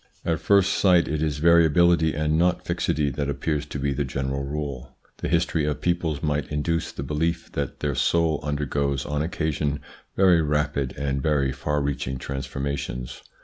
At first sight it is variability and not fixity that appears to be the general rule. The history of peoples might induce the belief that their soul under goes on occasion very rapid and very far reaching transformations.